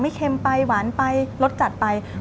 เค็มไปหวานไปรสจัดไป